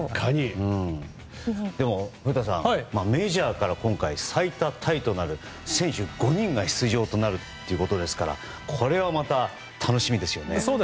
でも古田さん、メジャーから今回最多タイとなる選手５人が出場となるということですからこれはまた楽しみですね。